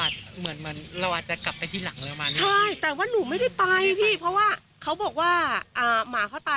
เหมือนเราอาจจะกลับไปที่หลังประมาณนี้